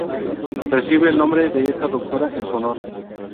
Recibe el nombre de esta doctora en su honor.